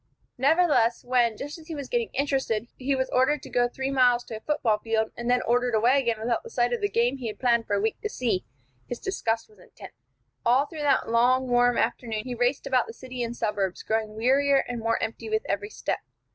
Nevertheless, when, just as he was getting interested, he was ordered to go three miles to a football field, and then ordered away again without a sight of the game he had planned for a week to see, his disgust was intense. All through that long, warm afternoon he raced about the city and suburbs, growing wearier and more empty with every step.